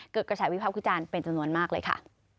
เกิดกระแสวิภาควิจารณ์เป็นจำนวนมากเลยค่ะ